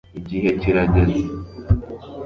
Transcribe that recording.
igihe kirageze